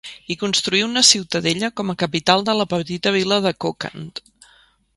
Hi construí una ciutadella com a capital a la petita vila de Kokand.